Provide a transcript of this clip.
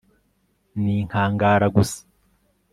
ni inkangara gusa